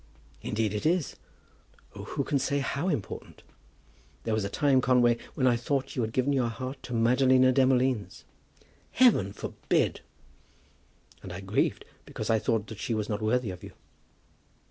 "Indeed, it is; oh, who can say how important! There was a time, Conway, when I thought you had given your heart to Madalina Demolines." "Heaven forbid!" "And I grieved, because I thought that she was not worthy of you."